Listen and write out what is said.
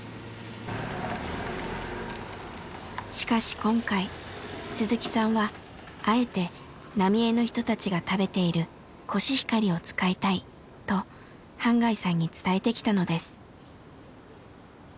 しかし今回鈴木さんはあえて浪江の人たちが食べているコシヒカリを使いたいと半谷さんに伝えてきたのです。